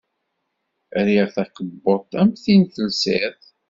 Riɣ takebbuḍt am tin telsid.